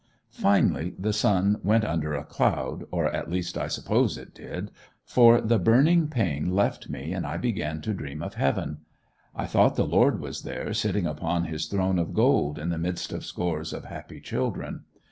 Finally the sun went under a cloud, or at least I suppose it did, for the burning pain left me and I began to dream of Heaven; I thought the Lord was there sitting upon His throne of gold in the midst of scores of happy children.